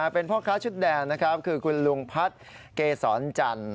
เป็นพ่อค้าชุดแดงนะครับคือคุณลุงพัฒน์เกษรจันทร์